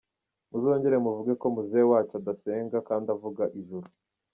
Muzongere muvuge ko muzee wacu adasenga kandi avuga ijuru.